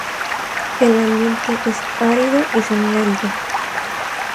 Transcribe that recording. El ambiente es árido y semiárido.